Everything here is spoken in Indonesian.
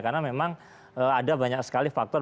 karena memang ada banyak sekali faktor